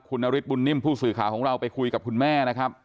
คุณนฤทธบุญนิ่มผู้สื่อข่าวของเราไปคุยกับคุณแม่นะครับ